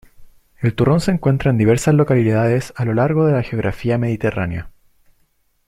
El turrón se encuentra en diversas localidades a lo largo de la geografía mediterránea.